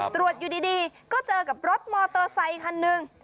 ตรวจอยู่ดีก็เจอกับรถมอเตอร์ไซคันหนึ่ง